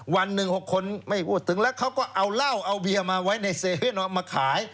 วันหนึ่ง๖คนไม่พูดถึงแล้วเขาก็เอาเหล้าเอาเบียร์มาไว้ใน๗๑๑เอามาขาย